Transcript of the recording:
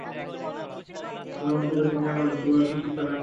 চরম হতাশায় তিনি আবারও জুয়ার গুটি চালেন।